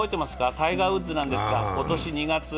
タイガー・ウッズなんですが、今年２月。